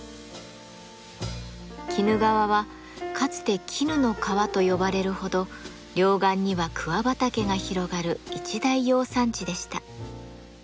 鬼怒川はかつて絹の川と呼ばれるほど両岸には桑畑が広がる一大養蚕地でした。